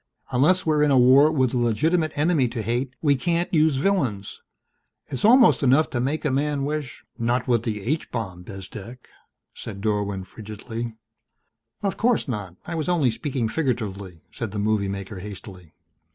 Unless we're in a war with a legitimate enemy to hate we can't use villains. It's almost enough to make a man wish " "Not with the H bomb, Bezdek," said Dorwin frigidly. "Of course not I was only speaking figuratively," said the movie maker hastily.